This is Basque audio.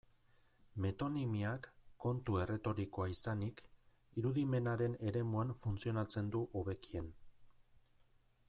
Metonimiak, kontu erretorikoa izanik, irudimenaren eremuan funtzionatzen du hobekien.